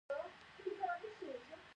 د کندهار انار بهرنیو هیوادونو ته صادریږي.